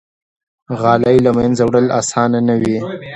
غالۍ له منځه وړل آسانه نه وي.